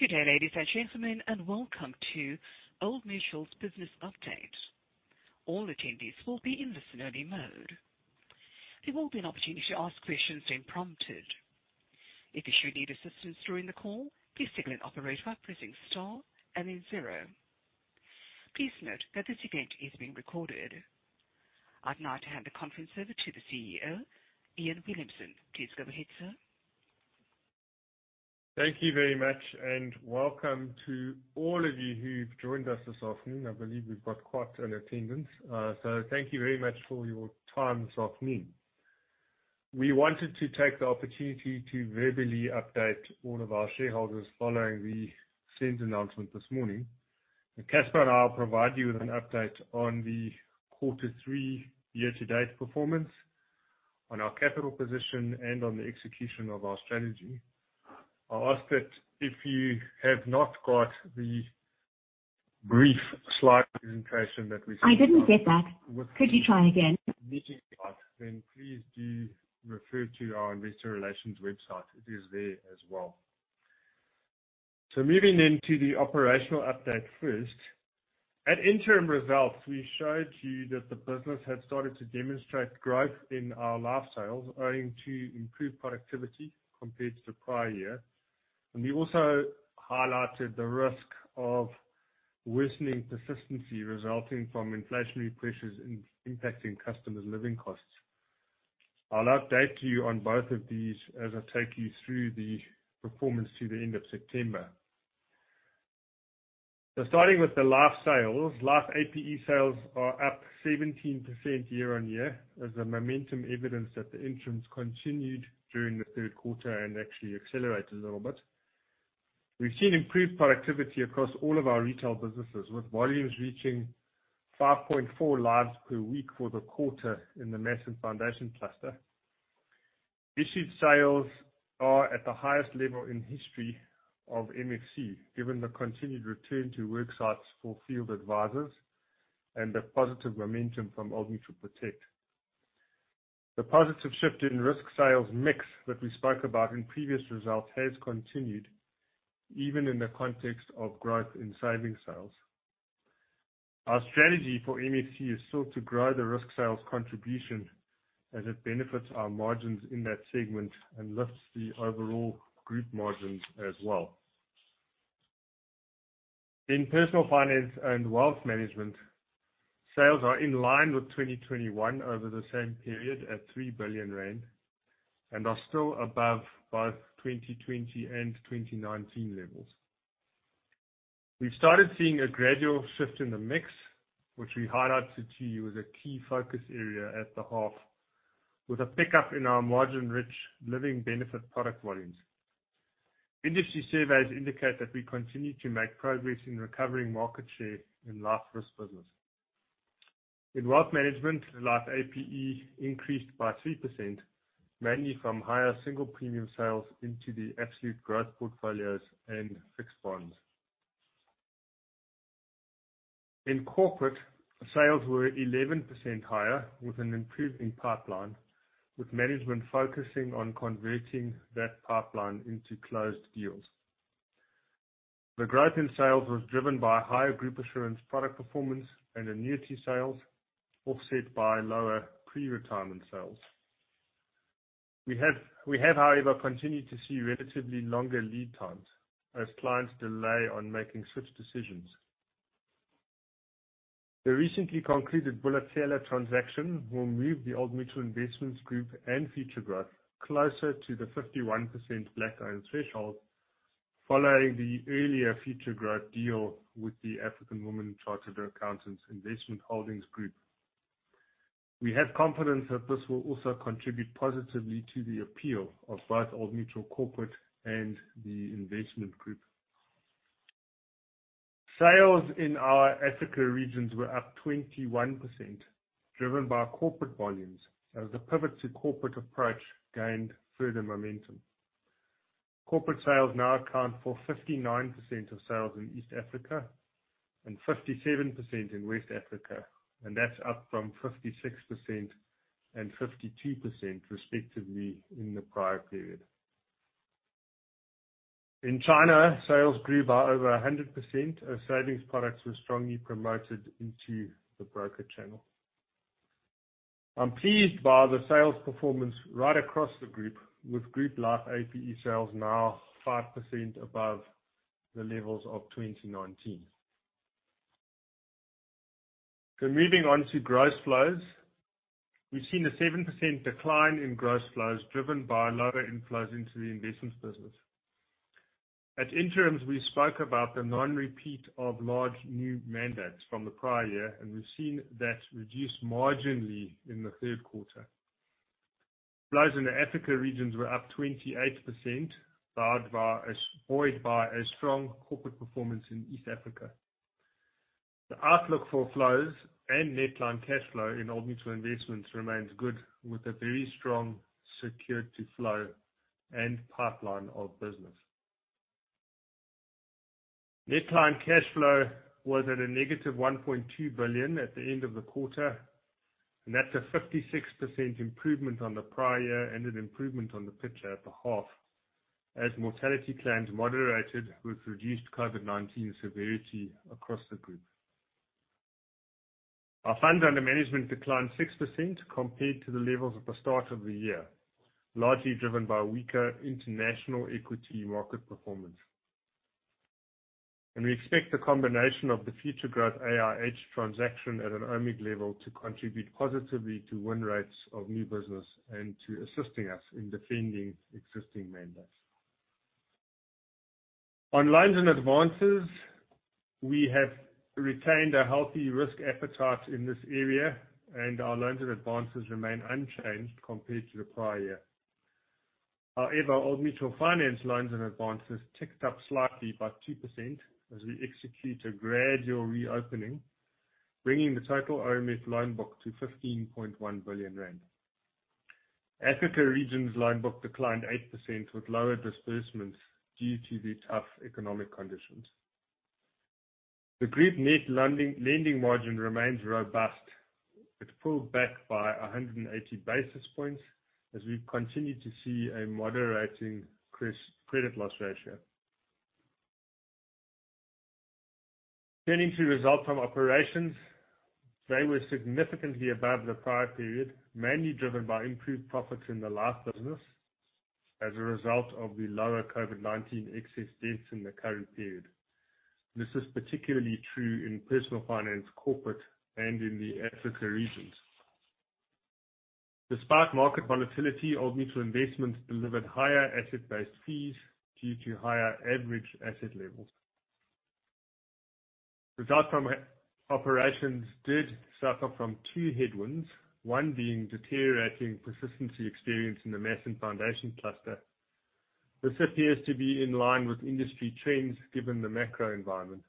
Good day, ladies and gentlemen and welcome to Old Mutual's business update. All attendees will be in listen-only mode. There will be an opportunity to ask questions when prompted. If you should need assistance during the call, please signal an operator by pressing star and then zero. Please note that this event is being recorded. I'd now hand the conference over to the CEO, Iain Williamson. Please go ahead, sir. Thank you very much and welcome to all of you who've joined us this afternoon. I believe we've got quite an attendance. Thank you very much for your time this afternoon. We wanted to take the opportunity to verbally update all of our shareholders following the SENS announcement this morning. Casper and I will provide you with an update on the quarter three year-to-date performance, on our capital position and on the execution of our strategy. I'll ask that if you have not got the brief slide presentation that we sent out. Please do refer to our investor relations website. It is there as well. Moving into the operational update first. At interim results, we showed to you that the business had started to demonstrate growth in our life sales owing to improved productivity compared to the prior year. We also highlighted the risk of worsening persistency resulting from inflationary pressures impacting customers' living costs. I'll update you on both of these as I take you through the performance through the end of September. Starting with the life sales. Life APE sales are up 17% year-on-year as the momentum evidence that the entrance continued during the third quarter and actually accelerated a little bit. We've seen improved productivity across all of our retail businesses, with volumes reaching 5.4 lives per week for the quarter in the Mass & Foundation Cluster. Issued sales are at the highest level in history of MFC, given the continued return to worksites for field advisors and the positive momentum from Old Mutual Protect. The positive shift in risk sales mix that we spoke about in previous results has continued even in the context of growth in savings sales. Our strategy for MFC is still to grow the risk sales contribution as it benefits our margins in that segment and lifts the overall group margins as well. In Personal Finance and Wealth Management, sales are in line with 2021 over the same period at 3 billion rand and are still above both 2020 and 2019 levels. We started seeing a gradual shift in the mix, which we highlighted to you as a key focus area at the half, with a pickup in our margin-rich living benefit product volumes. Industry surveys indicate that we continue to make progress in recovering market share in life risk business. In Wealth Management, life APE increased by 3%, mainly from higher single premium sales into the Absolute Growth Portfolios and Fixed Bonds. In Corporate, sales were 11% higher with an improving pipeline, with management focusing on converting that pipeline into closed deals. The growth in sales was driven by higher Group Assurance product performance and annuity sales, offset by lower pre-retirement sales. We have, however, continued to see relatively longer lead times as clients delay on making switch decisions. The recently concluded Bula Tsela transaction will move the Old Mutual Investments Group and Futuregrowth closer to the 51% black owned threshold following the earlier Futuregrowth deal with the African Women Chartered Accountants Investment Holdings Group. We have confidence that this will also contribute positively to the appeal of both Old Mutual Corporate and the investment group. Sales in our Africa regions were up 21%, driven by corporate volumes as the pivot to corporate approach gained further momentum. Corporate sales now account for 59% of sales in East Africa and 57% in West Africa. That's up from 56% and 52% respectively in the prior period. In China, sales grew by over 100% as savings products were strongly promoted into the broker channel. I'm pleased by the sales performance right across the group, with group life APE sales now 5% above the levels of 2019. Moving on to gross flows. We've seen a 7% decline in gross flows, driven by lower inflows into the investments business. At interims, we spoke about the non-repeat of large new mandates from the prior year and we've seen that reduce marginally in the third quarter. Flows in the Africa regions were up 28%, buoyed by a strong corporate performance in East Africa. The outlook for flows and Net Client Cash Flow in Old Mutual Investments remains good, with a very strong security flow and pipeline of business. Net Client Cash Flow was at a negative 1.2 billion at the end of the quarter and that's a 56% improvement on the prior and an improvement on the picture at the half as mortality plans moderated with reduced COVID-19 severity across the group. Our Funds Under Management declined 6% compared to the levels at the start of the year, largely driven by weaker international equity market performance. We expect the combination of the Futuregrowth AIH transaction at an OMIG level to contribute positively to win rates of new business and to assisting us in defending existing mandates. On loans and advances, we have retained a healthy risk appetite in this area and our loans and advances remain unchanged compared to the prior year. However, Old Mutual Finance loans and advances ticked up slightly by 2% as we execute a gradual reopening, bringing the total OMF loan book to 15.1 billion rand. Africa region's loan book declined 8% with lower disbursements due to the tough economic conditions. The group net lending margin remains robust. It pulled back by 180 basis points as we continue to see a moderating credit loss ratio. Turning to Results from Operations, they were significantly above the prior period, mainly driven by improved profits in the life business as a result of the lower COVID-19 excess deaths in the current period. This is particularly true in Personal Finance, Corporate and in the Africa regions. Despite market volatility, Old Mutual Investments delivered higher asset-based fees due to higher average asset levels. Results from Operations did suffer from two headwinds, one being deteriorating persistency experience in the Mass and Foundation Cluster. This appears to be in line with industry trends given the macro environment.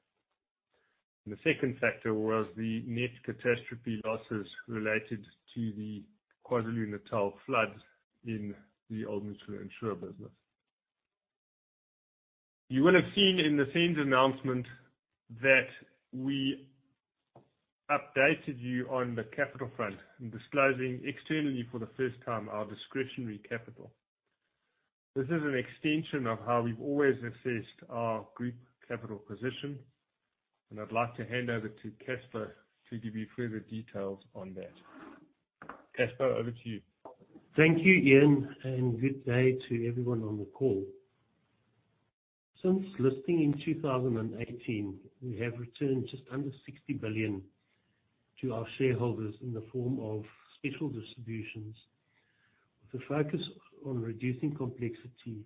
The second factor was the net catastrophe losses related to the KwaZulu-Natal floods in the Old Mutual Insure business. You will have seen in the SENS announcement that we updated you on the capital front, disclosing externally for the first time our discretionary capital. This is an extension of how we've always assessed our group capital position and I'd like to hand over to Casper to give you further details on that. Casper, over to you. Thank you, Iain, good day to everyone on the call. Since listing in 2018, we have returned just under 60 billion to our shareholders in the form of special distributions with a focus on reducing complexity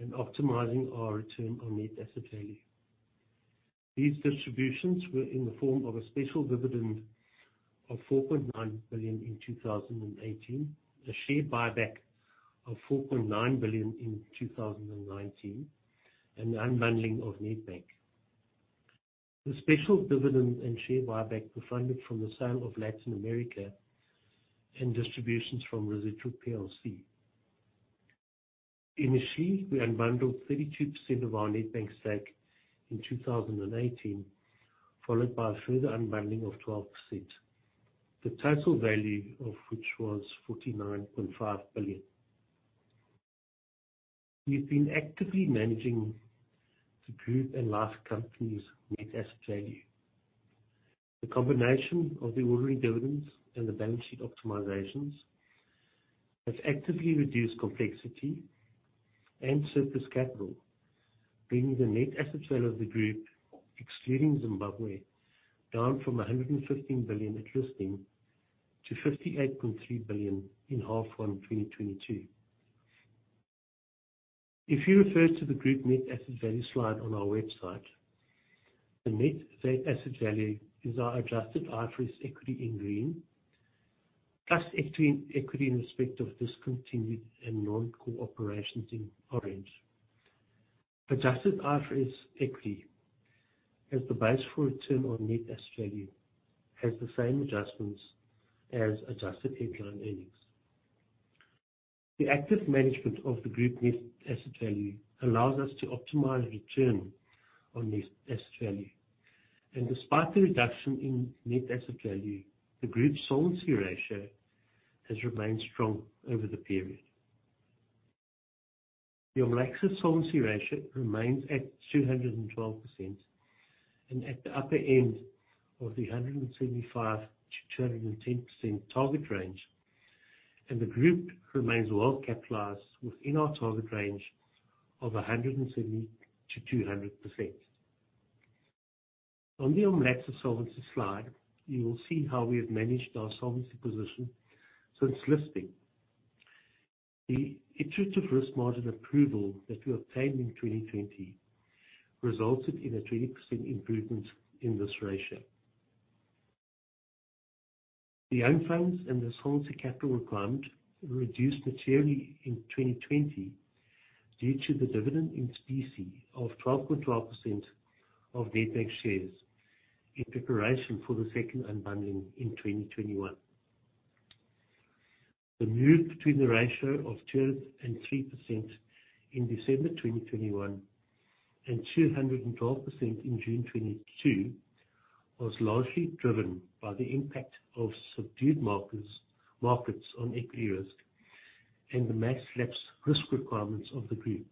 and optimizing our Return on Net Asset Value. These distributions were in the form of a special dividend of 4.9 billion in 2018, a share buyback of 4.9 billion in 2019 and the unbundling of Nedbank. The special dividend and share buyback were funded from the sale of Latin America and distributions from Residual plc. Initially, we unbundled 32% of our Nedbank stake in 2018, followed by a further unbundling of 12%. The total value of which was 49.5 billion. We've been actively managing the group and life companies' Net Asset Value. The combination of the ordinary dividends and the balance sheet optimizations has actively reduced complexity and surplus capital, bringing the net asset value of the group, excluding Zimbabwe, down from 115 billion at listing to 58.3 billion in half one, 2022. If you refer to the group net asset value slide on our website, the net asset value is our Adjusted IFRS equity in green, plus equity in respect of discontinued and non-core operations in orange. Adjusted IFRS equity as the base for Return on Net Asset Value has the same adjustments as Adjusted headline earnings. The active management of the group net asset value allows us to optimize Return on Net Asset Value. Despite the reduction in net asset value, the group solvency ratio has remained strong over the period. The OMLACSA solvency ratio remains at 212% and at the upper end of the 175%-210% target range. The group remains well-capitalized within our target range of 170%-200%. On the OMLACSA solvency slide, you will see how we have managed our solvency position since listing. The iterative risk margin approval that we obtained in 2020 resulted in a 20% improvement in this ratio. The own funds and the solvency capital requirement reduced materially in 2020 due to the dividend in specie of 12.2% of Nedbank shares in preparation for the second unbundling in 2021. The move between the ratio of 2%-3% in December 2021 and 212% in June 2022 was largely driven by the impact of subdued markets on equity risk and the mass lapse risk requirements of the group,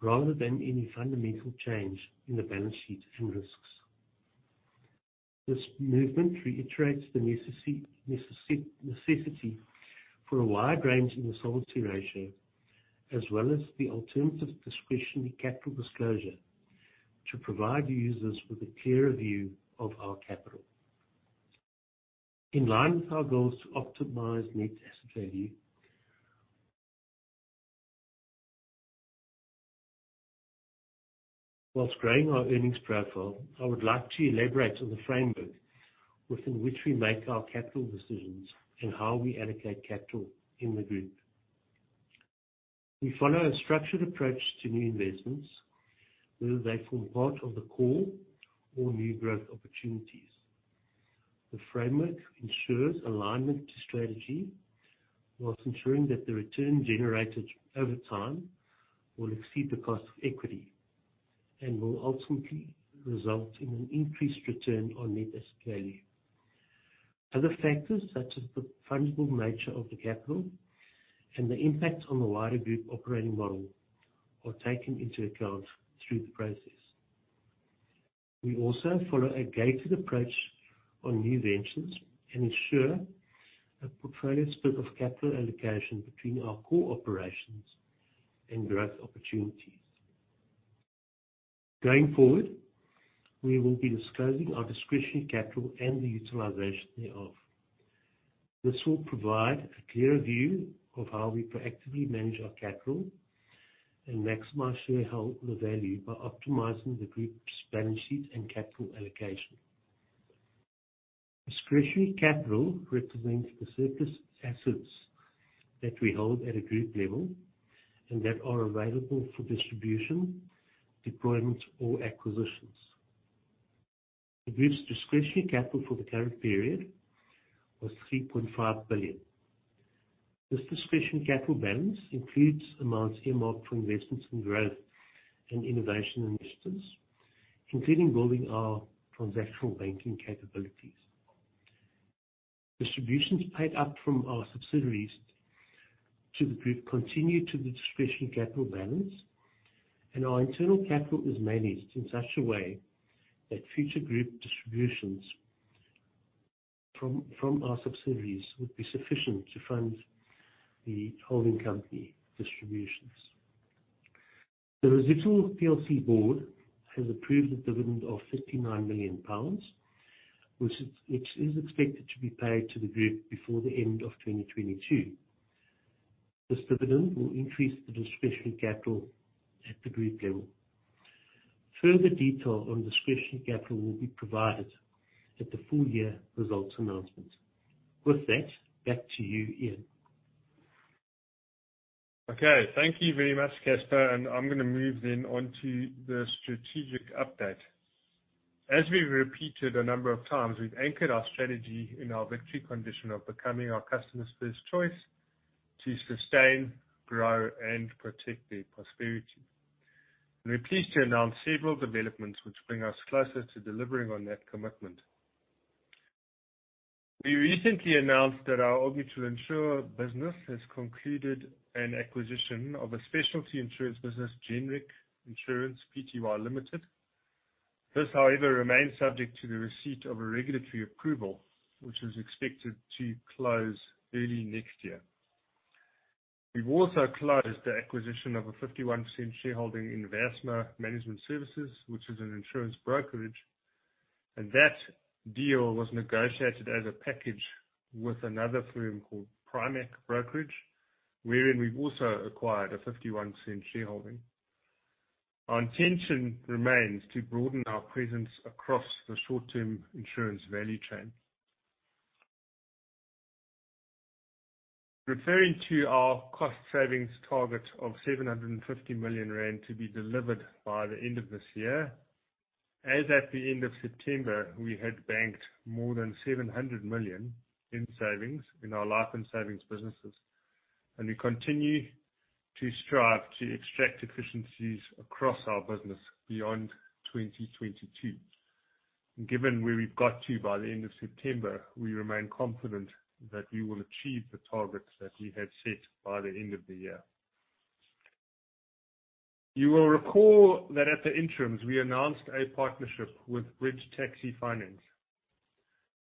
rather than any fundamental change in the balance sheet and risks. This movement reiterates the necessity for a wide range in the solvency ratio, as well as the alternative discretionary capital disclosure to provide users with a clearer view of our capital. In line with our goals to optimize net asset value. Whilst growing our earnings profile, I would like to elaborate on the framework within which we make our capital decisions and how we allocate capital in the group. We follow a structured approach to new investments, whether they form part of the core or new growth opportunities. The framework ensures alignment to strategy whilst ensuring that the return generated over time will exceed the cost of equity and will ultimately result in an increased return on net asset value. Other factors such as the fundable nature of the capital and the impact on the wider group operating model are taken into account through the process. We also follow a gated approach on new ventures and ensure a portfolio split of capital allocation between our core operations and growth opportunities. Going forward, we will be disclosing our discretionary capital and the utilization thereof. This will provide a clearer view of how we proactively manage our capital and maximize shareholder value by optimizing the group's balance sheet and capital allocation. Discretionary capital represents the surplus assets that we hold at a group level and that are available for distribution, deployments, or acquisitions. The group's discretionary capital for the current period was 3.5 billion. This discretionary capital balance includes amounts earmarked for investments in growth and innovation initiatives, including building our transactional banking capabilities. Distributions paid up from our subsidiaries to the group continue to the discretionary capital balance and our internal capital is managed in such a way that future group distributions from our subsidiaries would be sufficient to fund the holding company distributions. The Residual plc board has approved a dividend of 59 million pounds, which is expected to be paid to the group before the end of 2022. This dividend will increase the discretionary capital at the group level. Further detail on discretionary capital will be provided at the full-year results announcement. Back to you, Iain. Okay. Thank you very much, Casper. I'm gonna move then on to the strategic update. As we repeated a number of times, we've anchored our strategy in our victory condition of becoming our customers' first choice to sustain, grow and protect their prosperity. We're pleased to announce several developments which bring us closer to delivering on that commitment. We recently announced that our Old Mutual Insure business has concluded an acquisition of a specialty insurance business, Genric Insurance Company Limited. This, however, remains subject to the receipt of a regulatory approval, which is expected to close early next year. We've also closed the acquisition of a 51% shareholding in Versma Management Services, which is an insurance brokerage and that deal was negotiated as a package with another firm called Primak Brokerage, wherein we've also acquired a 51% shareholding. Our intention remains to broaden our presence across the short-term insurance value chain. Referring to our cost savings target of 750 million rand to be delivered by the end of this year. As at the end of September, we had banked more than 700 million in savings in our life and savings businesses. We continue to strive to extract efficiencies across our business beyond 2022. Given where we've got to by the end of September, we remain confident that we will achieve the targets that we had set by the end of the year. You will recall that at the interims, we announced a partnership with Bridge Taxi Finance.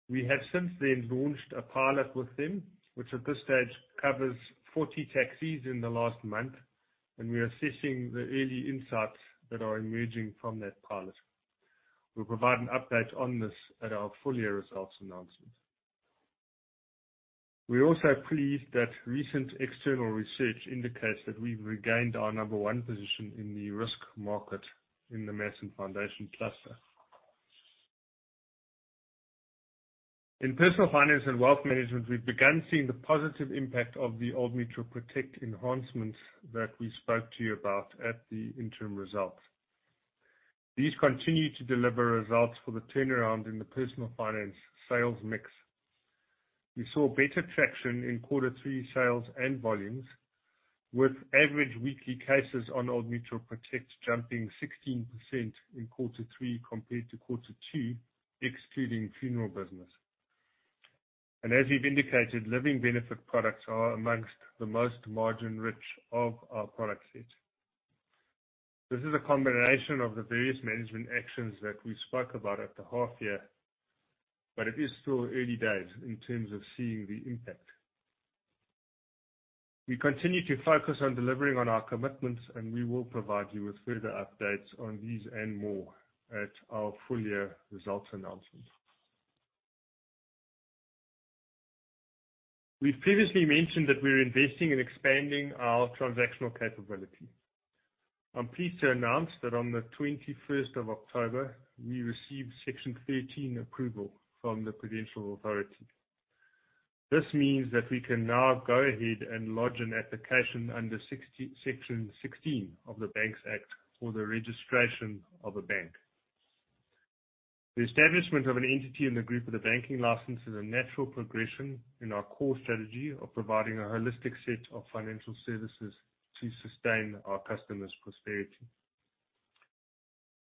We have since then launched a pilot with them, which at this stage covers 40 taxis in the last month. We are assessing the early insights that are emerging from that pilot. We'll provide an update on this at our full-year results announcement. We are also pleased that recent external research indicates that we've regained our number 1 position in the risk market in the Mass and Foundation Cluster. In Personal Finance and Wealth Management, we've begun seeing the positive impact of the Old Mutual Protect enhancements that we spoke to you about at the interim results. These continue to deliver results for the turnaround in the Personal Finance sales mix. We saw better traction in quarter three sales and volumes, with average weekly cases on Old Mutual Protect jumping 16% in quarter three compared to quarter two, excluding funeral business. As we've indicated, living benefit products are amongst the most margin-rich of our product set. This is a combination of the various management actions that we spoke about at the half year. It is still early days in terms of seeing the impact. We continue to focus on delivering on our commitments, we will provide you with further updates on these and more at our full year results announcement. We previously mentioned that we're investing in expanding our transactional capability. I'm pleased to announce that on the 21 October, we received Section 13 approval from the Prudential Authority. This means that we can now go ahead and lodge an application under Section 16 of the Banks Act for the registration of a bank. The establishment of an entity in the group with a banking license is a natural progression in our core strategy of providing a holistic set of financial services to sustain our customers prosperity.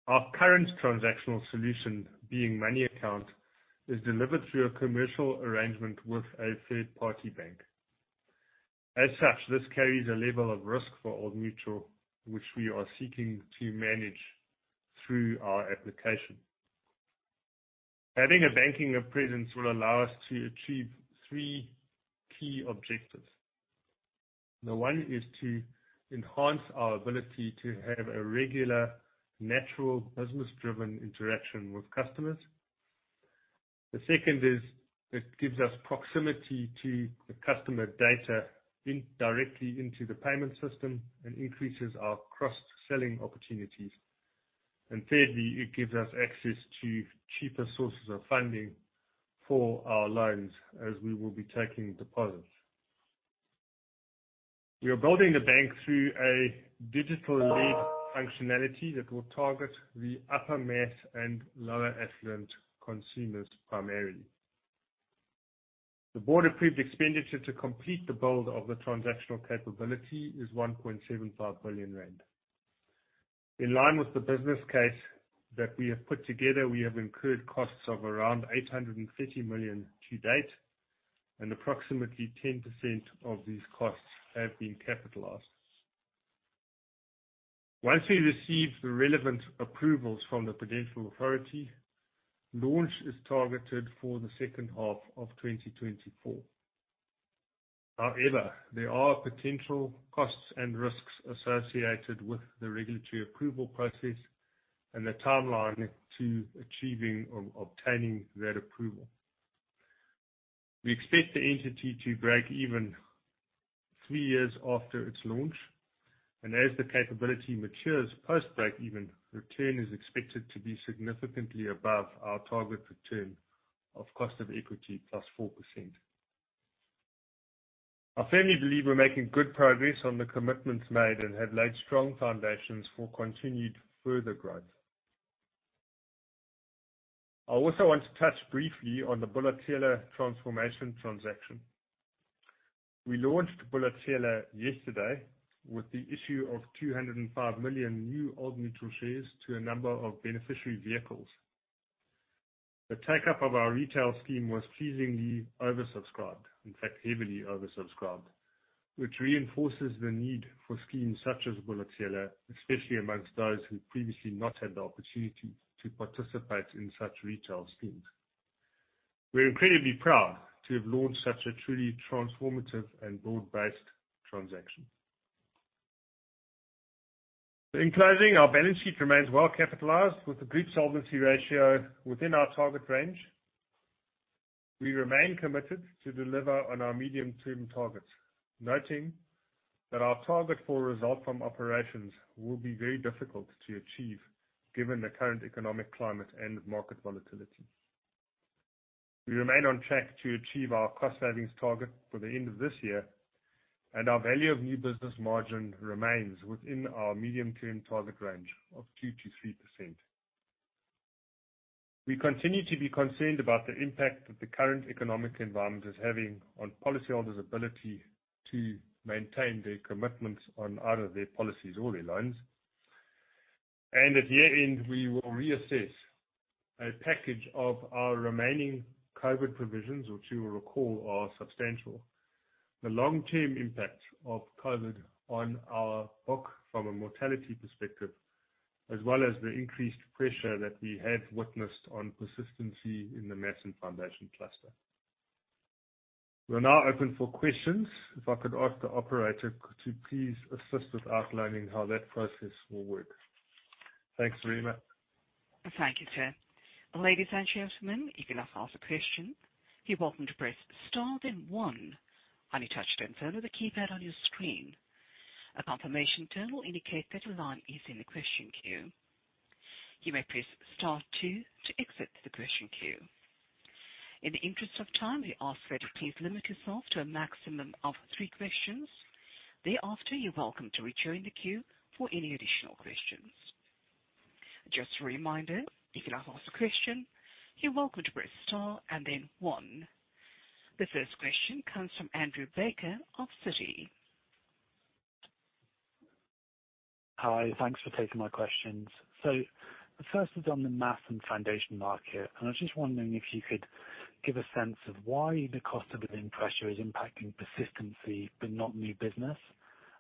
Our current transactional solution, being Money Account, is delivered through a commercial arrangement with a third-party bank. As such, this carries a level of risk for Old Mutual, which we are seeking to manage through our application. Having a banking presence will allow us to achieve three key objectives. The 1 is to enhance our ability to have a regular, natural, business-driven interaction with customers. The second is it gives us proximity to the customer data directly into the payment system and increases our cross-selling opportunities. Thirdly, it gives us access to cheaper sources of funding for our loans as we will be taking deposits. We are building the bank through a digital-lead functionality that will target the upper mass and lower affluent consumers primarily. The board-approved expenditure to complete the build of the transactional capability is 1.75 billion rand. In line with the business case that we have put together, we have incurred costs of around 850 million to date and approximately 10% of these costs have been capitalized. Once we receive the relevant approvals from the Prudential Authority, launch is targeted for the second half of 2024. However, there are potential costs and risks associated with the regulatory approval process and the timeline to achieving or obtaining that approval. We expect the entity to break even three years after its launch. As the capability matures post break even, return is expected to be significantly above our target return of cost of equity plus 4%. I firmly believe we're making good progress on the commitments made and have laid strong foundations for continued further growth. I also want to touch briefly on the Bula Tsela transformation transaction. We launched Bula Tsela yesterday with the issue of 205 million new Old Mutual shares to a number of beneficiary vehicles. The take-up of our retail scheme was pleasingly oversubscribed. In fact, heavily oversubscribed, which reinforces the need for schemes such as Bula Tsela, especially amongst those who previously not had the opportunity to participate in such retail schemes. We're incredibly proud to have launched such a truly transformative and broad-based transaction. In closing, our balance sheet remains well capitalized with the group solvency ratio within our target range. We remain committed to deliver on our medium-term targets, noting that our target for Results from Operations will be very difficult to achieve given the current economic climate and market volatility. We remain on track to achieve our cost savings target for the end of this year and our Value of New Business margin remains within our medium-term target range of 2%-3%. We continue to be concerned about the impact that the current economic environment is having on policyholders' ability to maintain their commitments on either their policies or their loans. At year-end, we will reassess a package of our remaining COVID provisions, which you'll recall are substantial. The long-term impact of COVID on our book from a mortality perspective, as well as the increased pressure that we have witnessed on persistency in the Mass and Foundation Cluster. We're now open for questions. If I could ask the operator to please assist with outlining how that process will work. Thanks very much. Thank you, sir. Ladies and gentlemen, you can now ask a question. You're welcome to press star then one on your touch-tone phone or the keypad on your screen. A confirmation tone will indicate that your line is in the question queue. You may press star two to exit the question queue. In the interest of time, we ask that you please limit yourself to a maximum of three questions. Thereafter, you're welcome to rejoin the queue for any additional questions. Just a reminder, if you'd like to ask a question, you're welcome to press star and then one. The first question comes from Andrew Baker of Citi. Hi. Thanks for taking my questions. The first is on the Mass and Foundation Cluster. I was just wondering if you could give a sense of why the cost of living pressure is impacting persistency but not new business.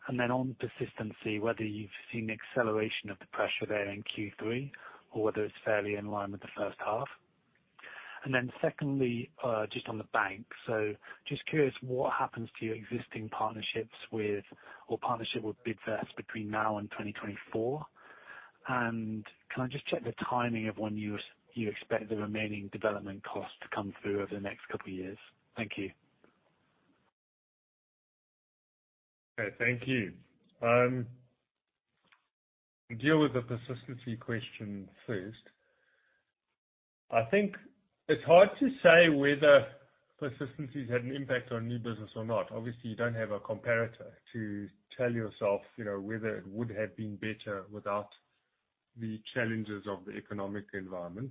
On persistency, whether you've seen acceleration of the pressure there in Q3 or whether it's fairly in line with the first half. Secondly, just on the bank. Just curious what happens to your existing partnerships with or partnership with Bidvest between now and 2024. Can I just check the timing of when you expect the remaining development costs to come through over the next couple of years? Thank you. Okay, thank you. Deal with the persistency question first. I think it's hard to say whether persistency has had an impact on new business or not. Obviously, you don't have a comparator to tell yourself, you know, whether it would have been better without the challenges of the economic environment.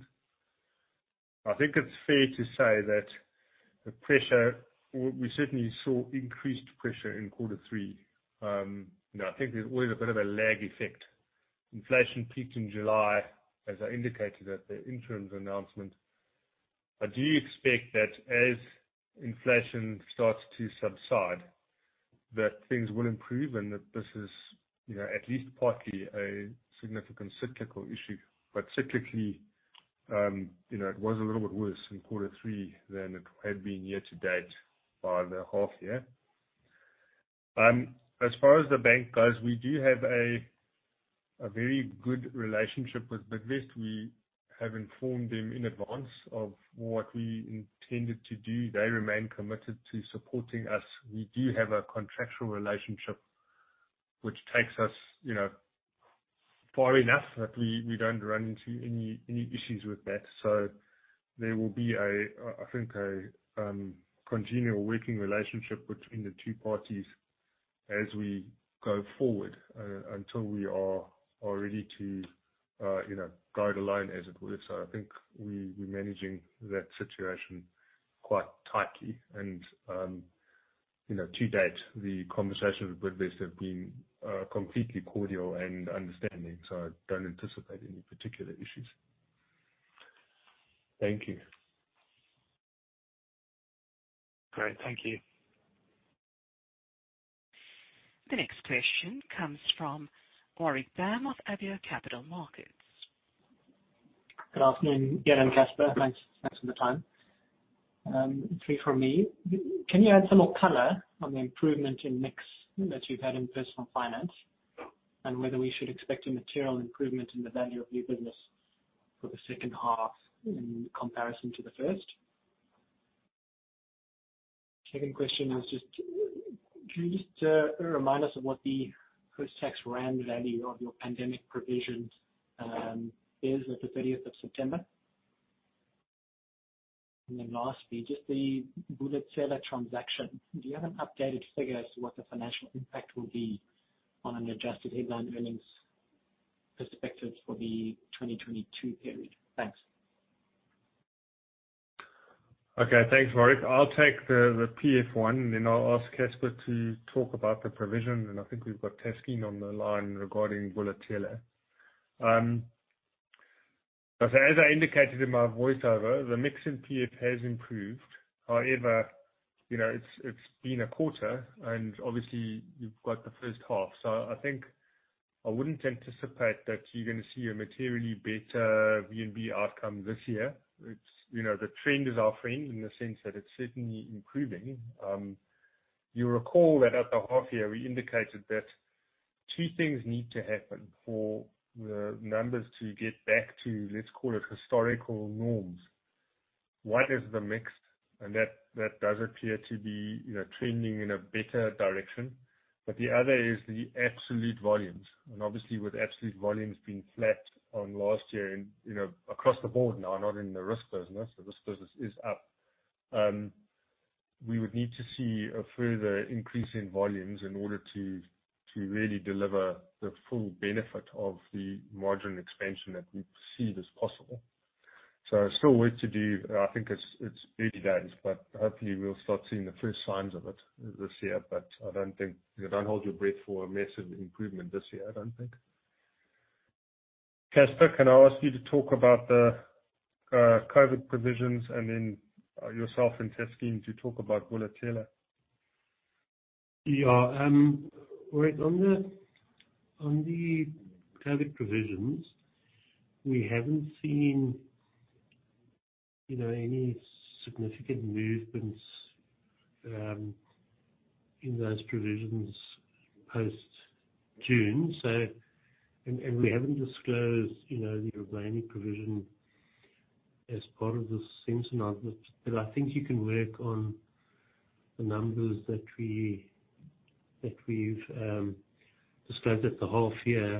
I think it's fair to say that we certainly saw increased pressure in quarter three. You know, I think there's always a bit of a lag effect. Inflation peaked in July, as I indicated at the interim announcement. I do expect that as inflation starts to subside, that things will improve and that this is, you know, at least partly a significant cyclical issue. But cyclically, you know, it was a little bit worse in quarter three than it had been year to date by the half year. As far as the bank goes, we do have a very good relationship with Bidvest. We have informed them in advance of what we intended to do. They remain committed to supporting us. We do have a contractual relationship which takes us, you know, far enough that we don't run into any issues with that. There will be a, I think, a continual working relationship between the two parties as we go forward until we are ready to, you know, go it alone, as it were. I think we're managing that situation quite tightly. To date, you know, the conversations with Bidvest have been completely cordial and understanding, so I don't anticipate any particular issues. Thank you. Great, thank you. The next question comes from Warwick Bam of Avior Capital Markets. Good afternoon, Gavin and Casper. Thanks for the time. Three from me, can you add some more color on the improvement in mix that you've had in Personal Finance and whether we should expect a material improvement in the Value of New Business for the second half in comparison to the first? Second question is just, can you remind us of what the post-tax ZAR value of your pandemic provisions is at the 30 September? Lastly, just the Bula Tsela transaction. Do you have an updated figure as to what the financial impact will be on an Adjusted headline earnings perspective for the 2022 period? Thanks. Thanks, Warwick. I'll take the PF one and then I'll ask Casper to talk about the provision and I think we've got Taskeen on the line regarding Bula Tsela. As I indicated in my voiceover, the mix in PF has improved. However, you know, it's been a quarter and obviously you've got the first half. I think I wouldn't anticipate that you're gonna see a materially better VNB outcome this year. It's, you know, the trend is our friend in the sense that it's certainly improving. You'll recall that at the half year, we indicated that two things need to happen for the numbers to get back to, let's call it historical norms. One is the mix and that does appear to be, you know, trending in a better direction. The other is the absolute volumes. Obviously, with absolute volumes being flat on last year and, you know, across the board now, not in the risk business, the risk business is up, we would need to see a further increase in volumes in order to really deliver the full benefit of the margin expansion that we perceive as possible. There's still work to do. I think it's early days but hopefully we'll start seeing the first signs of it this year. I don't think. You know, don't hold your breath for a massive improvement this year, I don't think. Casper, can I ask you to talk about the COVID provisions and then yourself and Taskeen to talk about Bula Tsela? Right on the COVID provisions, we haven't seen, you know, any significant movements in those provisions post-June. We haven't disclosed, you know, the remaining provision as part of this interim announcement. I think you can work on the numbers that we've described at the half year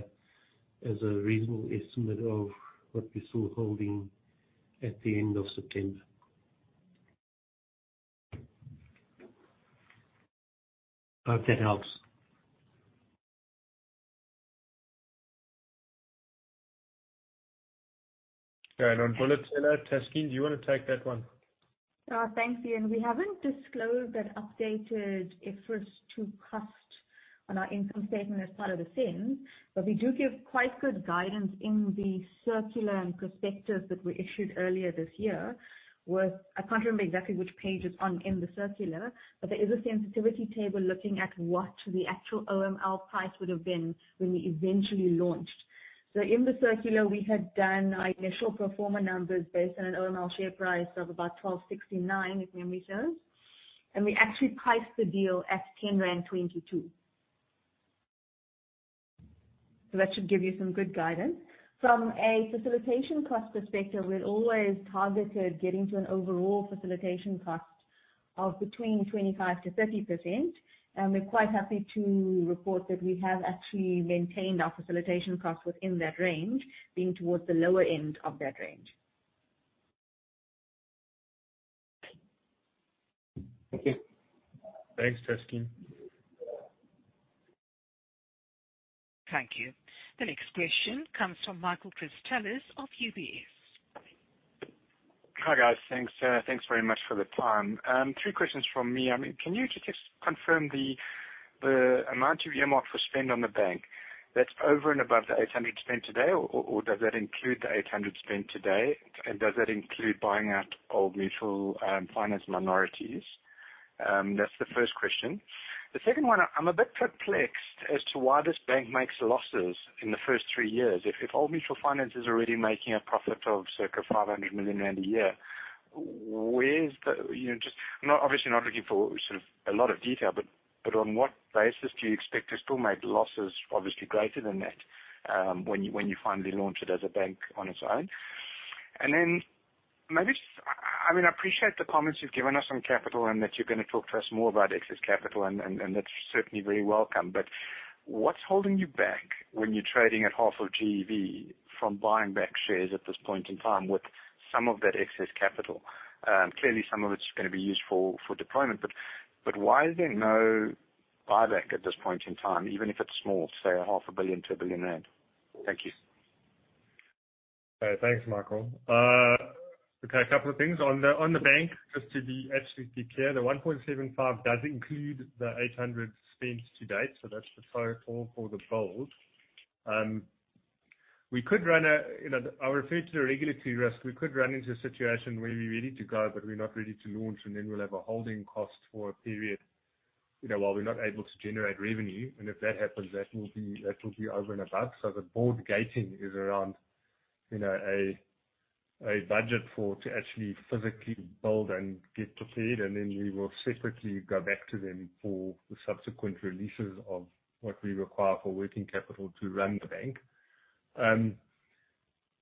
as a reasonable estimate of what we're still holding at the end of September. Hope that helps. Going on bullets. Ella, Taskeen, do you wanna take that one? Thank you. We haven't disclosed that updated efforts to cost on our income statement as part of the same. We do give quite good guidance in the circular and prospectus that we issued earlier this year. I can't remember exactly which page it's on in the circular but there is a sensitivity table looking at what the actual OML price would have been when we eventually launched. In the circular, we had done our initial pro forma numbers based on an OML share price of about 12.69, if memory serves and we actually priced the deal at 10.22 rand. That should give you some good guidance. From a facilitation cost perspective, we'd always targeted getting to an overall facilitation cost of between 25%-30% and we're quite happy to report that we have actually maintained our facilitation costs within that range, being towards the lower end of that range. Okay. Thanks, Taskeen. Thank you. The next question comes from Michael Christelis of UBS. Hi, guys. Thanks, thanks very much for the time. Three questions from me. I mean, can you just confirm the amount of earmarked for spend on the bank that's over and above the 800 spent today or does that include the 800 spent today? Does that include buying out Old Mutual Finance minorities? That's the first question. The second one, I'm a bit perplexed as to why this bank makes losses in the first three years. If Old Mutual Finance is already making a profit of circa 500 million rand a year, where is the, you know, I'm obviously not looking for sort of a lot of detail but on what basis do you expect to still make losses, obviously greater than that, when you finally launch it as a bank on its own? I mean, I appreciate the comments you've given us on capital and that you're gonna talk to us more about excess capital and that's certainly very welcome. What's holding you back when you're trading at half of GEV from buying back shares at this point in time with some of that excess capital? Clearly some of it's gonna be used for deployment but why is there no buyback at this point in time, even if it's small, say a half a billion ZAR to 1 billion rand? Thank you. Thanks, Michael. Okay, a couple of things. On the bank, just to be absolutely clear, the 1.75 does include the 800 spent to date. That's the total for the build. We could run, you know, I'll refer to the regulatory risk. We could run into a situation where we're ready to go but we're not ready to launch. Then we'll have a holding cost for a period, you know, while we're not able to generate revenue. If that happens, that will be over and above. The board gating is around, you know, a budget for, to actually physically build and get prepared. Then we will separately go back to them for the subsequent releases of what we require for working capital to run the bank.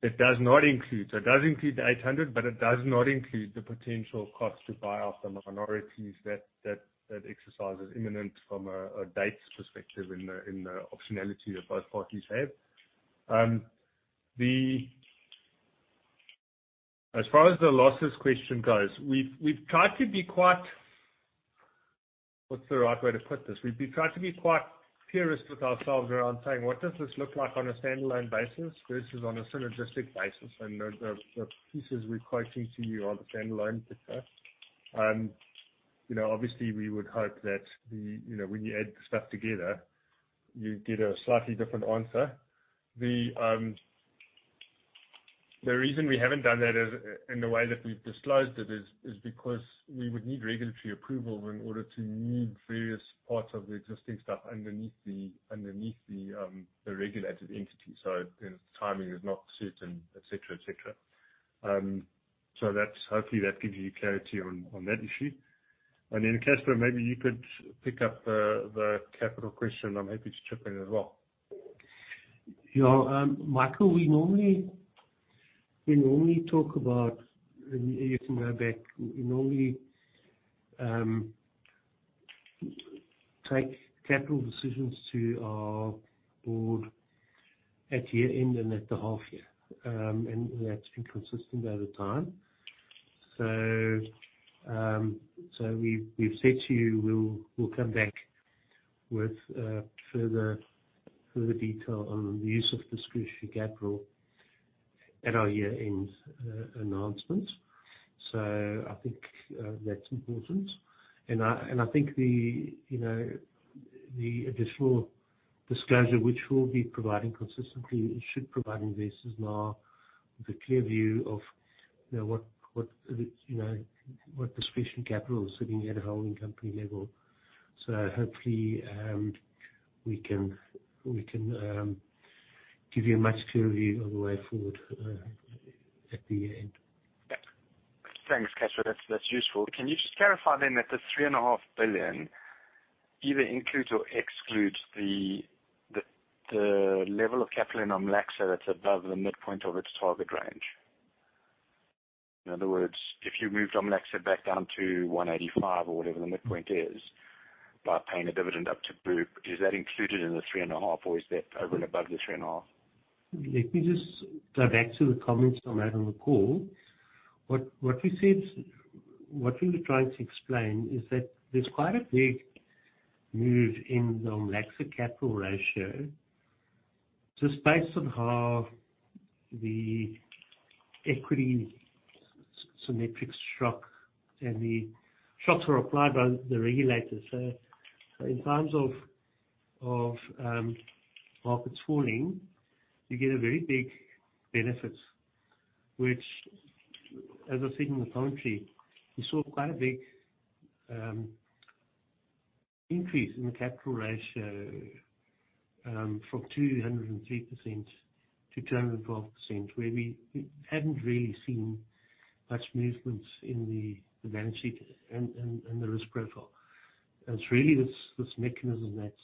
It does not include, so it does include the 800 but it does not include the potential cost to buy off the minorities that exercise is imminent from a dates perspective in the optionality that both parties have. As far as the losses question goes, we've tried to be quite. What's the right way to put this? We've been trying to be quite purist with ourselves around saying, "What does this look like on a standalone basis versus on a synergistic basis?" The pieces we're quoting to you are the standalone figures. You know, obviously we would hope that, you know, when you add the stuff together, you get a slightly different answer. The reason we haven't done that is in the way that we've disclosed it is because we would need regulatory approval in order to move various parts of the existing stuff underneath the regulated entity. You know, timing is not certain, et cetera, et cetera. That's, hopefully, that gives you clarity on that issue. Then, Casper, maybe you could pick up the capital question. I'm happy to chip in as well. Yeah. Michael, we normally talk about and you can go back. We normally take capital decisions to our board at year-end and at the half year. That's been consistent over time. We've said to you we'll come back with further detail on the use of discretionary capital at our year-end announcement. I think that's important. I think the, you know, the additional disclosure which we'll be providing consistently should provide investors now with a clear view of, you know, what the, you know, what discretionary capital is sitting at a holding company level. Hopefully, we can give you a much clearer view of the way forward at the year-end. Thanks, Casper. That's useful. Can you just clarify then that the 3.5 billion either includes or excludes the level of capital in OMLACSA that's above the midpoint of its target range? In other words, if you move OMLACSA back down to 185 or whatever the midpoint is by paying a dividend up to Group, is that included in the 3.5 or is that over and above the 3.5? Let me just go back to the comments I made on the call. What we said, what we were trying to explain is that there's quite a big move in the OMLACSA capital ratio. Just based on how the equity symmetric shock and the shocks were applied by the regulators. In times of markets falling, you get a very big benefit, which, as I said in the commentary, you saw quite a big increase in the capital ratio from 203% to 212%, where we hadn't really seen much movements in the balance sheet and the risk profile. It's really this mechanism that's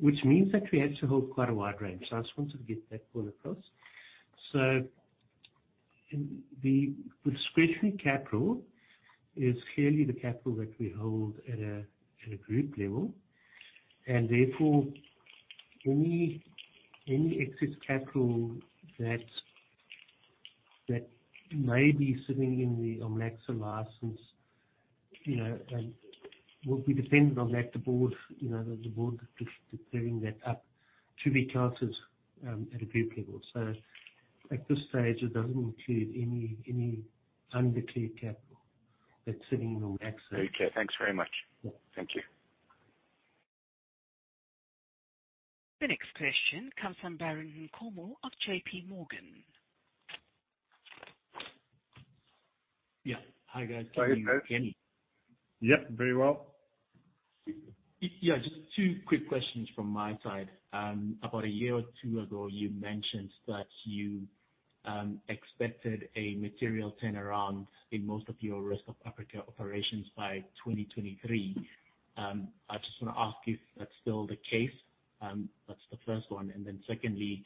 which means that we had to hold quite a wide range. I just wanted to get that point across. The discretionary capital is clearly the capital that we hold at a group level and therefore any excess capital that may be sitting in the OMLACSA license, you know, will be dependent on that the board, you know, the board declaring that up to be counted at a group level. At this stage, it doesn't include any undeclared capital that's sitting in OMLACSA. Okay. Thanks very much. Thank you. The next question comes from Baron Nkomo of JPMorgan. Yeah. Hi, guys. Hi, Kenny. Yeah, very well. Yeah, just two quick questions from my side. About a year or two ago, you mentioned that you expected a material turnaround in most of your rest of Africa operations by 2023. I just wanna ask if that's still the case. That's the first one. Then secondly,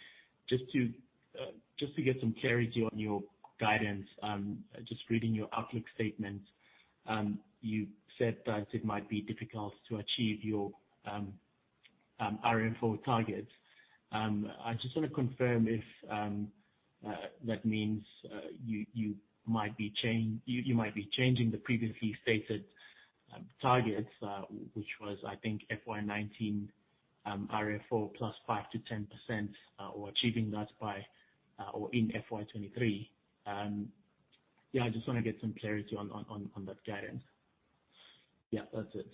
just to get some clarity on your guidance, just reading your outlook statement, you said that it might be difficult to achieve your RFO targets. I just wanna confirm if that means you might be changing the previously stated targets, which was, I think, FY 2019 RFO +5%-10%, or achieving that by or in FY 2023. Yeah, I just wanna get some clarity on that guidance. Yeah, that's it.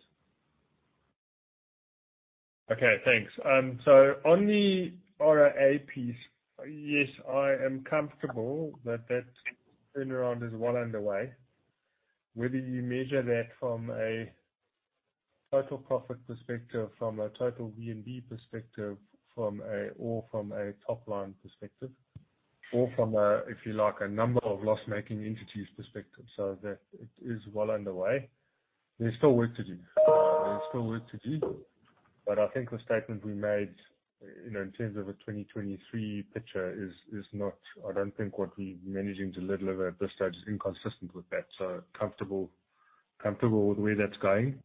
Okay. Thanks. On the ROA piece, yes, I am comfortable that that turnaround is well underway. Whether you measure that from a total profit perspective, from a total VNB perspective, or from a top-line perspective or from a, if you like, a number of loss-making entities perspective, it is well underway. There's still work to do. There's still work to do, I think the statement we made, you know, in terms of a 2023 picture is not, I don't think what we're managing to deliver at this stage is inconsistent with that. Comfortable with the way that's going.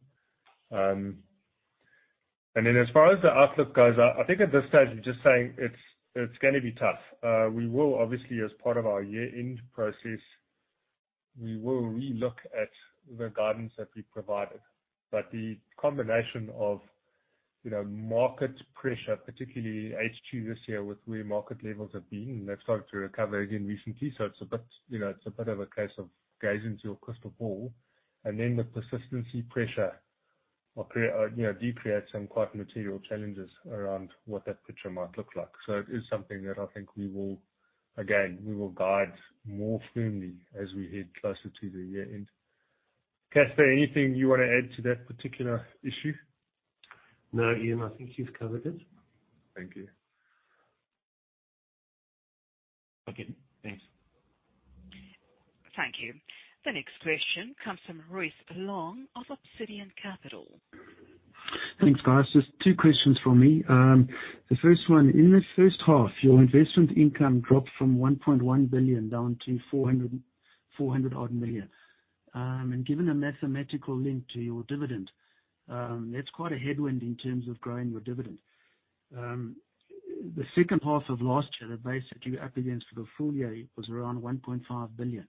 As far as the outlook goes, I think at this stage we're just saying it's gonna be tough. We will obviously as part of our year-end process, we will relook at the guidance that we provided. The combination of, you know, market pressure, particularly H2 this year with where market levels have been and they've started to recover again recently. It's a bit, you know, it's a bit of a case of gazing into your crystal ball. The persistency pressure will create, you know, do create some quite material challenges around what that picture might look like. It is something that I think we will, again, we will guide more firmly as we head closer to the year-end. Casper, anything you wanna add to that particular issue? No, Iain. I think you've covered it. Thank you. Okay. Thanks. Thank you. The next question comes from Royce Long of Obsidian Capital. Thanks, guys. Just two questions from me. The first one, in the first half, your investment income dropped from 1.1 billion down to 400 odd million. Given the mathematical link to your dividend, that's quite a headwind in terms of growing your dividend. The second half of last year, the base that you were up against for the full year was around 1.5 billion.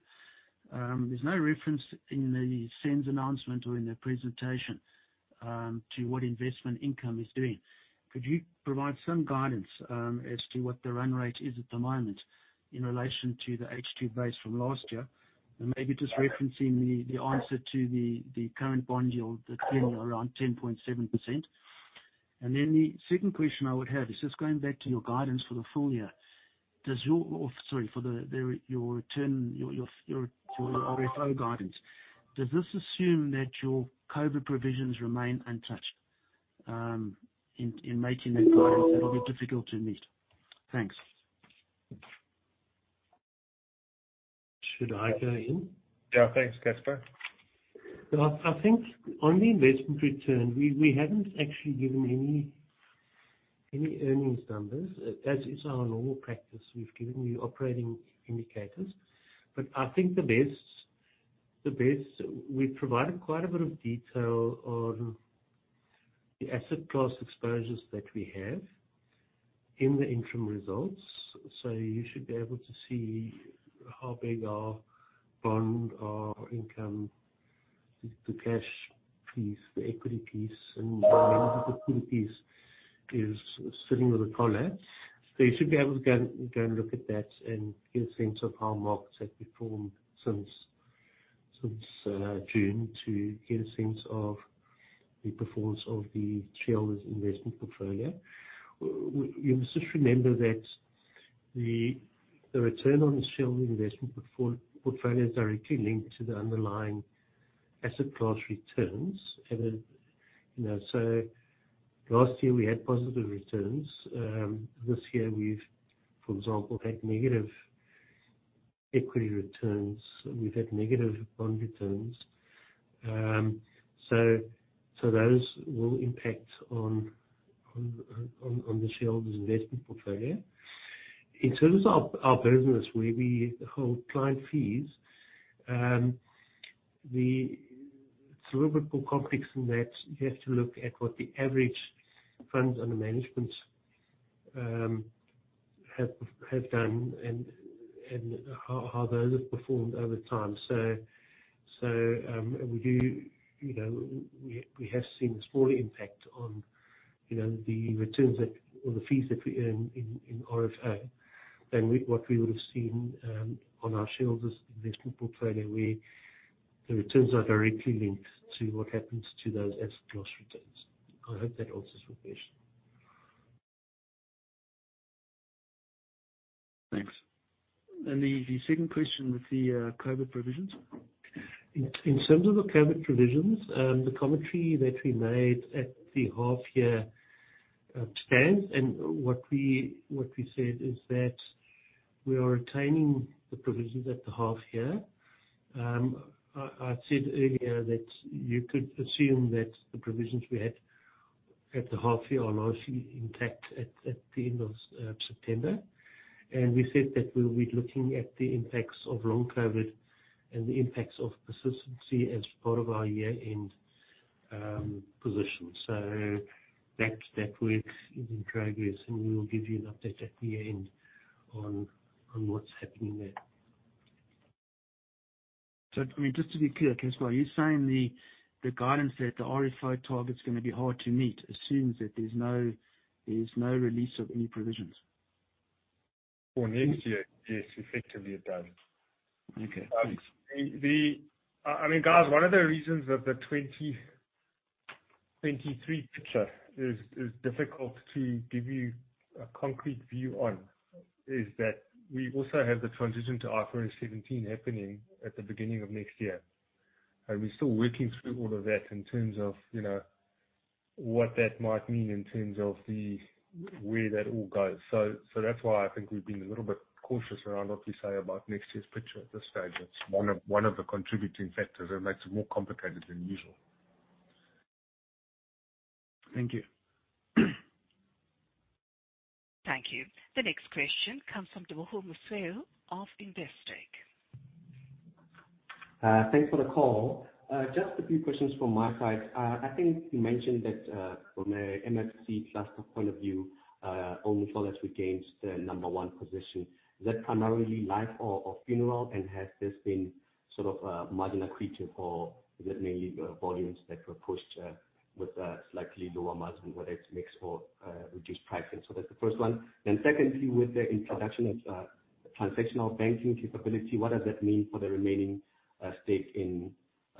There's no reference in the SENS announcement or in the presentation to what investment income is doing. Could you provide some guidance as to what the run rate is at the moment in relation to the H2 base from last year? Maybe just referencing the answer to the current bond yield that's sitting around 10.7%. The second question I would have is just going back to your guidance for the full year. Or sorry, for the your return, your RFO guidance. Does this assume that your COVID provisions remain untouched in making that guidance that'll be difficult to meet? Thanks. Should I go, Iain? Yeah. Thanks, Casper. I think on the investment return, we haven't actually given any earnings numbers, as is our normal practice, we've given you operating indicators. We provided quite a bit of detail on the asset class exposures that we have in the interim results. You should be able to see how big our bond, our income, the cash piece, the equity piece and the piece is sitting with the color. You should be able to go and look at that and get a sense of how markets have performed since June to get a sense of the performance of the shareholders investment portfolio. You must just remember that the return on the shareholders investment portfolio is directly linked to the underlying asset class returns. Last year we had positive returns. This year we've, for example, had negative equity returns and we've had negative bond returns. Those will impact on the shareholders investment portfolio. In terms of our business, where we hold client fees, it's a little bit more complex than that. You have to look at what the average Funds Under Management have done and how those have performed over time. We do, you know, we have seen a smaller impact on, you know, the returns that or the fees that we earn in RFA than what we would have seen on our shareholders investment portfolio, where the returns are directly linked to what happens to those asset class returns. I hope that answers your question. Thanks. The second question with the COVID provisions. In terms of the COVID provisions, the commentary that we made at the half year stands. What we said is that we are retaining the provisions at the half year. I said earlier that you could assume that the provisions we had at the half year are largely intact at the end of September. We said that we'll be looking at the impacts of long COVID and the impacts of persistency as part of our year-end position. That work is in progress and we will give you an update at the end on what's happening there. I mean, just to be clear Casper, are you saying the guidance that the RFA target's gonna be hard to meet assumes that there's no release of any provisions? For next year. Yes. Effectively, it does. Okay. Thanks. I mean guys, one of the reasons that the 2023 picture is difficult to give you a concrete view on is that we also have the transition to IFRS 17 happening at the beginning of next year. We're still working through all of that in terms of, you know, what that might mean in terms of where that all goes. That's why I think we've been a little bit cautious around what we say about next year's picture at this stage. It's one of the contributing factors that makes it more complicated than usual. Thank you. Thank you. The next question comes from Tshepo Maseko of Investec. Thanks for the call. Just a few questions from my side. I think you mentioned that, from a MFC cluster point of view, Old Mutual has regained the number one position. Is that primarily life or funeral? Has this been sort of, margin accretive, or is it mainly, volumes that were pushed, with a slightly lower margin, whether it's mix or, reduced pricing? That's the first one. Secondly, with the introduction of, transactional banking capability, what does that mean for the remaining, stake in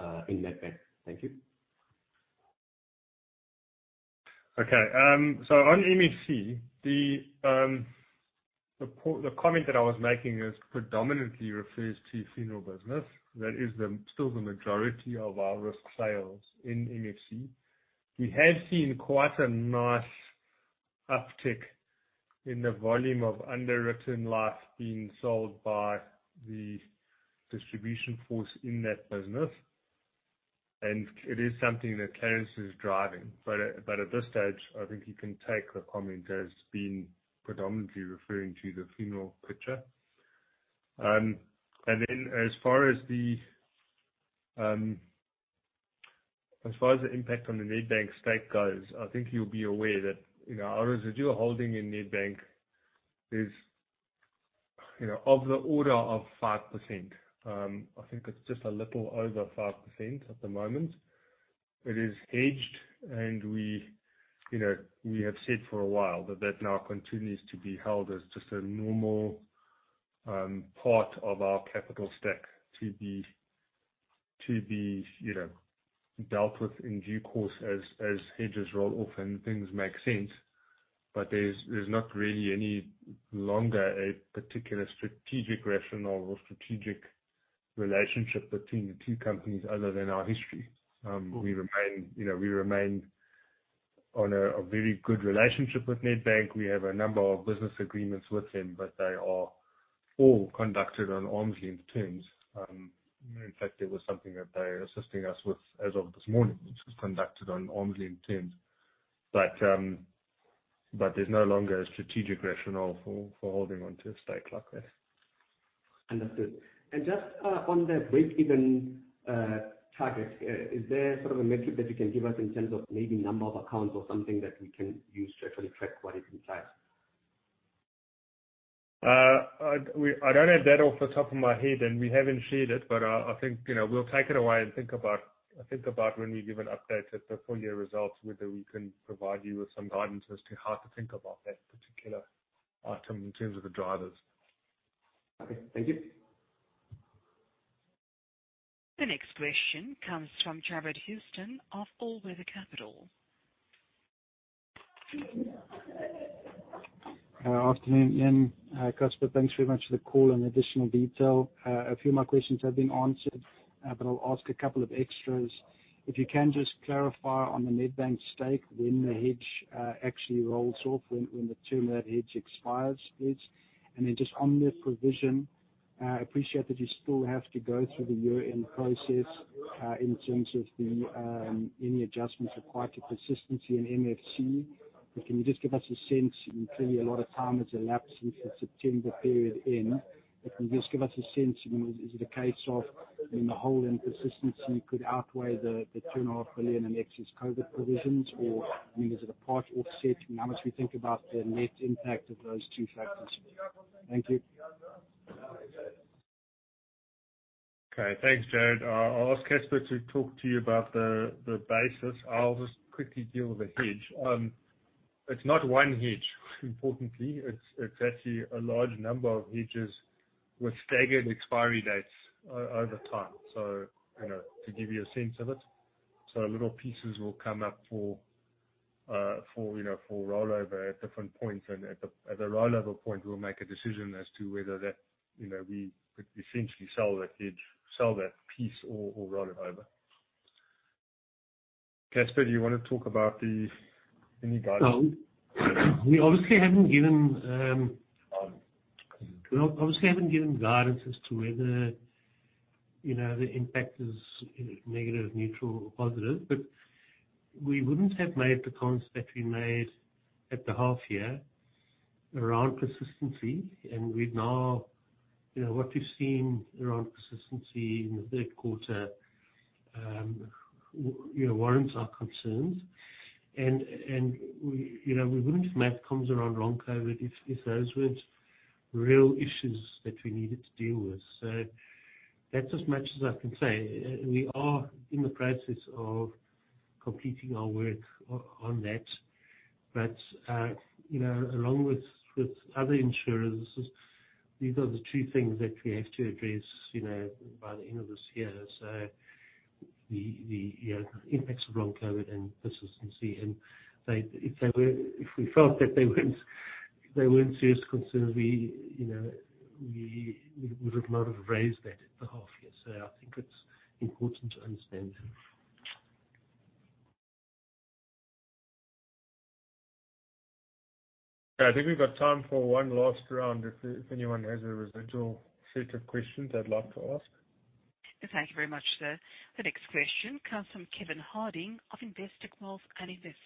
Nedbank? Thank you. Okay. On MFC, the comment that I was making is predominantly refers to funeral business. That is still the majority of our risk sales in MFC. We have seen quite a nice uptick in the volume of underwritten life being sold by the distribution force in that business and it is something Claris is driving. At this stage, I think you can take the comment as being predominantly referring to the funeral picture. Then as far as the impact on the Nedbank stake goes, I think you'll be aware that, you know, our residual holding in Nedbank is, you know, of the order of 5%. I think it's just a little over 5% at the moment. It is hedged. We, you know, we have said for a while that that now continues to be held as just a normal part of our capital stack to be, you know, dealt with in due course as hedges roll off and things make sense. There's not really any longer a particular strategic rationale or strategic relationship between the two companies other than our history. We remain, you know, we remain on a very good relationship with Nedbank. We have a number of business agreements with them but they All conducted on arm's length terms. In fact, it was something that they're assisting us with as of this morning. It was conducted on arm's length terms. There's no longer a strategic rationale for holding onto a stake like that. Understood. Just on the break-even target, is there sort of a metric that you can give us in terms of maybe number of accounts or something that we can use to actually track what is in place? I don't have that off the top of my head and we haven't shared it but I think, you know, we'll take it away and think about when we give an update at the full year results whether we can provide you with some guidance as to how to think about that particular item in terms of the drivers. Okay, thank you. The next question comes from Jared Houston of All Weather Capital. Afternoon, Iain. Casper, thanks very much for the call and additional detail. A few of my questions have been answered, I'll ask a couple of extras. If you can just clarify on the Nedbank stake, when the hedge actually rolls off, when the term of that hedge expires, please. Just on the provision, appreciate that you still have to go through the year-end process, in terms of the any adjustments required to persistency in MFC. Can you just give us a sense, I mean, clearly a lot of time has elapsed since the September period end. Can you just give us a sense, I mean, is it a case of, I mean, the hole in persistency could outweigh the ten and a half billion in excess COVID provisions or, I mean, is it a part offset? How much we think about the net impact of those two factors? Thank you. Okay. Thanks, Jared. I'll ask Casper to talk to you about the basis. I'll just quickly deal with the hedge. It's not one hedge importantly. It's actually a large number of hedges with staggered expiry dates over time. You know, to give you a sense of it. Little pieces will come up for, you know, for rollover at different points. At the rollover point, we'll make a decision as to whether that, you know, we could essentially sell that hedge, sell that piece or roll it over. Casper, do you wanna talk about any guidance? We obviously haven't given, we obviously haven't given guidance as to whether, you know, the impact is, you know, negative, neutral or positive. We wouldn't have made the comments that we made at the half year around persistency. You know, what we've seen around persistency in the third quarter, you know, warrants our concerns. We, you know, we wouldn't have made the comments around Long COVID if those weren't real issues that we needed to deal with. That's as much as I can say. We are in the process of completing our work on that. You know, along with other insurers, these are the two things that we have to address, you know, by the end of this year. The, you know, impacts of Long COVID and persistency. They, if they were, if we felt that they weren't serious concerns, we, you know, we would not have raised that at the half year. I think it's important to understand that. I think we've got time for one last round if anyone has a residual set of questions they'd like to ask. Thank you very much, sir. The next question comes from Kevin Harding of Investec's Wealth & Investment.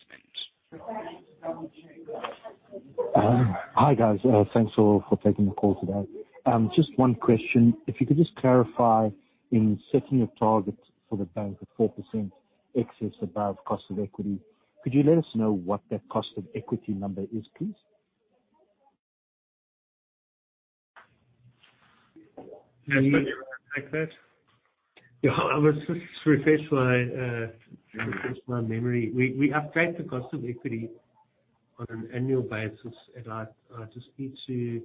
Hi, guys. Thanks for taking the call today. Just one question. If you could just clarify in setting a target for the bank at 4% excess above cost of equity, could you let us know what that cost of equity number is, please? Casper, do you wanna take that? Yeah. I must just refresh my refresh my memory. We update the cost of equity on an annual basis. I just need to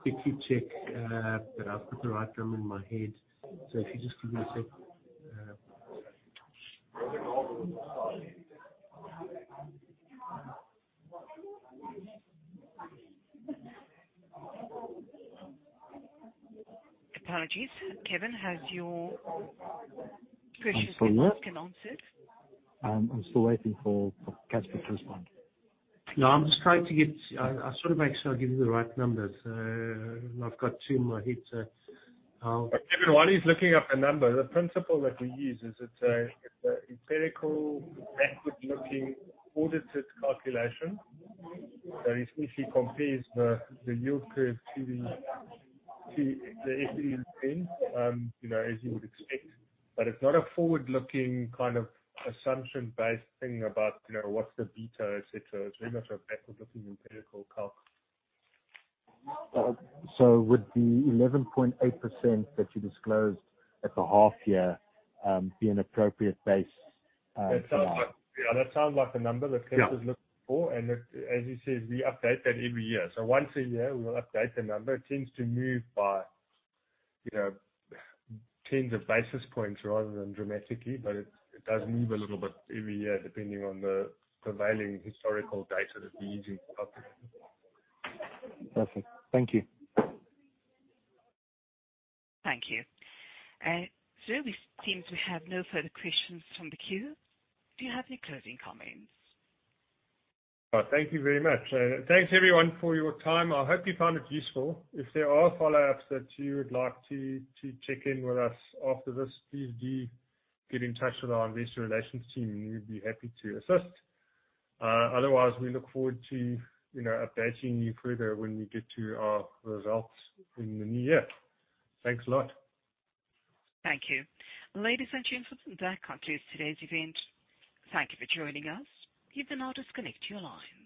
quickly check that I've got the right number in my head. If you just give me a sec. Apologies. Kevin, has your question been answered? I'm still waiting for Casper to respond. No, I just wanna make sure I give you the right numbers. I've got two in my head. Kevin, while he's looking up the number, the principle that we use is it's a empirical backward-looking audited calculation that essentially compares the yield curve to the FTSE and spend, you know, as you would expect. It's not a forward-looking kind of assumption-based thing about, you know, what's the beta, et cetera. It's very much a backward-looking empirical calc. Would the 11.8% that you disclosed at the half year be an appropriate base, to go on? That sounds like yeah, that sounds like the number that Casper's looking for. As you said, we update that every year. Once a year we will update the number. It tends to move by, you know, tens of basis points rather than dramatically. It does move a little bit every year depending on the prevailing historical data that we use in calculating. Perfect. Thank you. Thank you. We seem to have no further questions from the queue. Do you have any closing comments? Thank you very much. Thanks everyone for your time. I hope you found it useful. If there are follow-ups that you would like to check in with us after this, please do get in touch with our investor relations team and we'd be happy to assist. Otherwise, we look forward to, you know, updating you further when we get to our results in the new year. Thanks a lot. Thank you. Ladies and gentlemen, that concludes today's event. Thank you for joining us. You can now disconnect your lines.